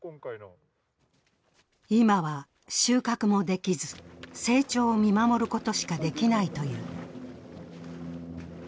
今は収穫もできず、成長を見守ることしかできないという。